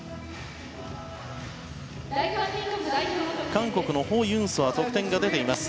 韓国のホ・ユンソア得点が出ています。